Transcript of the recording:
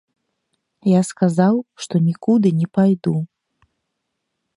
Я сказаў, што нікуды не пайду.